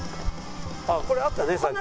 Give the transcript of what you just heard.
あっこれあったねさっき。